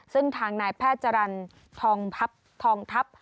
ซึ่งทางนายแพทย์จรรย์ทองพับทองทัพ